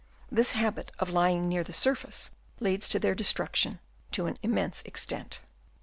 This habit of lying near the surface leads to their destruction to an immense extent.